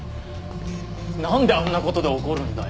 なんであんな事で怒るんだよ。